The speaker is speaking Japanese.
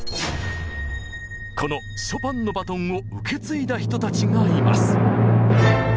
このショパンのバトンを受け継いだ人たちがいます。